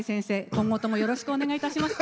今後ともよろしくお願いいたします。